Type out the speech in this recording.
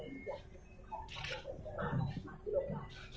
พูดถึงส่วนใจของความร่วมของคุณหลงหลัง